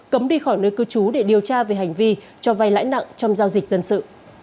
cấm đi khỏi nơi cư trú để điều tra về hành vi cho vay lãi nặng trong giao dịch dân sự